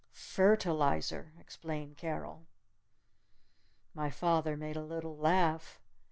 "Phertalizer!" explained Carol. My father made a little laugh.